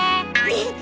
えっ！？